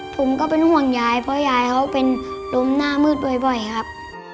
ผมก็เป็นห่วงยายเพราะยายเขาเป็นลมหน้ามืดบ่อยครับ